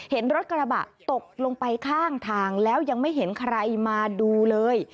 เห็นรถกระบะตกลงไปข้างทางแล้วยังไม่เห็นใครมาดูเลย